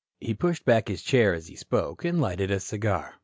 He pushed back his chair as he spoke, and lighted a cigar.